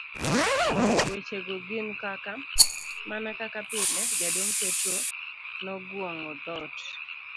Wechego gin kaka, Mana kaka pile, jaduong Petro noguong'o thot